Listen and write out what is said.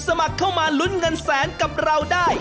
สมัครเข้ามาลุ้นเงินแสนกับเราได้